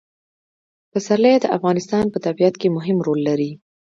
پسرلی د افغانستان په طبیعت کې مهم رول لري.